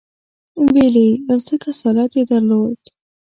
ویل یې یو څه کسالت یې درلود.